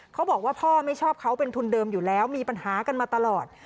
เขาบอกว่าพ่อไม่ชอบเขาเป็นทุนเดิมอยู่แล้วมีปัญหากันมาตลอด